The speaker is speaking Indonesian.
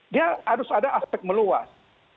dia harus ada aspek meluas